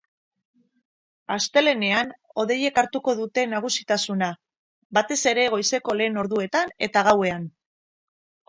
Astelehenean hodeiek hartuko dute nagusitasuna, batez ere goizeko lehen orduetan eta gauean.